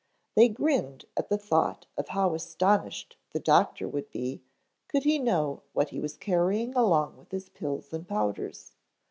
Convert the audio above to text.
They grinned at the thought of how astonished the doctor would be could he know what he was carrying along with his pills and powders.